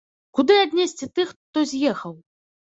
Куды аднесці тых, хто з'ехаў?